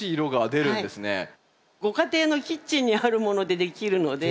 ご家庭のキッチンにあるものでできるので。